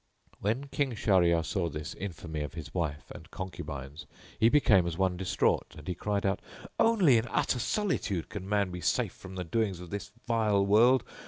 When King Shahryar saw this infamy of his wife and concubines he became as one distraught and he cried out, "Only in utter solitude can man be safe from the doings of this vile world!